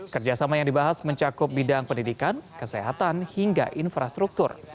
kerjasama yang dibahas mencakup bidang pendidikan kesehatan hingga infrastruktur